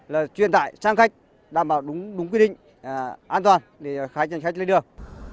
là truyền tải sang khách đảm bảo đúng quy định an toàn để khách lên đường